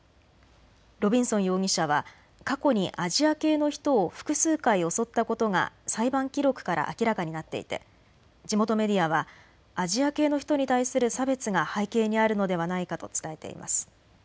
ロビンソン容疑者は過去にアジア系の人を複数回襲ったことが裁判記録から明らかになっていて地元メディアはアジア系の人に対する差別が背景にあるのではないかと伝えています。